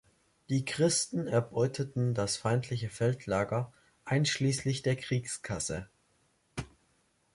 Die Christen erbeuteten das feindliche Feldlager einschließlich der Kriegskasse.